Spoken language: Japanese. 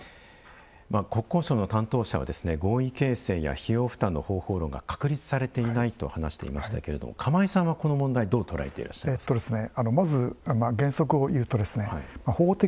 国交省の担当者は合意形成や費用負担の方法が確立されていないと話していましたけども釜井さんは、この問題どう捉えていらっしゃますか？